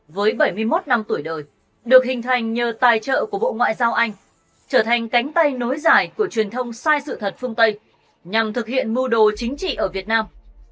với bảy mươi một năm tuổi đời được hình thành nhờ tài trợ của bộ ngoại giao anh trở thành cánh tay nối giải của truyền thông sai sự thật phương tây nhằm thực hiện mưu đồ chính trị ở việt nam